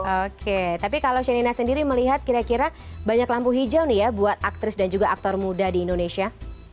oke tapi kalau shenina sendiri melihat kira kira banyak lampu hijau nih ya buat aktris dan juga aktor muda di indonesia